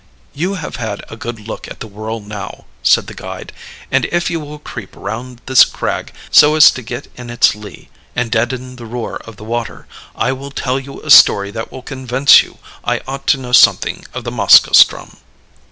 "You have had a good look at the whirl now," said the guide; "and if you will creep round this crag, so as to get in its lee, and deaden the roar of the water, I will tell you a story that will convince you I ought to know something of the Moskoe ström."